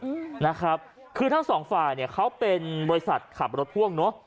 อืมนะครับคือทั้งสองฝ่ายเนี้ยเขาเป็นบริษัทขับรถพ่วงเนอะ